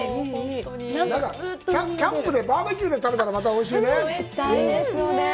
なんか、キャンプのバーベキューで食べたら、またおいしいね。